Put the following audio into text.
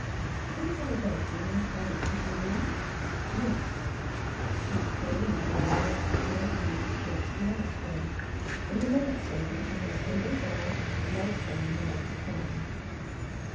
Could he have a bedroom and private sitting room ? Yes. He was shown into a large panelled room next the archway, and a maid servant, in her Sunday gown, knelt down to light the fire.